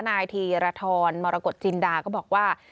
นายธีรทรมรกฏจินดาก็บอกว่า